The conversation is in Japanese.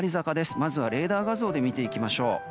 まずはレーダー画像で見ていきましょう。